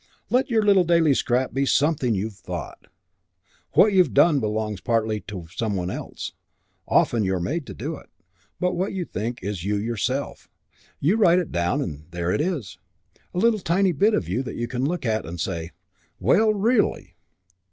Let your little daily scrap be something you've thought. What you've done belongs partly to some one else; often you're made to do it. But what you think is you yourself: you write it down and there it is, a tiny little bit of you that you can look at and say, 'Well, really!'